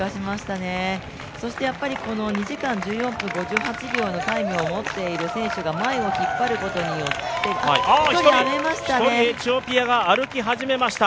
そしてやっぱり２時間１４分５８秒のタイムを持っている選手が前を引っ張るあっ、１人、エチオピアが歩き始めました。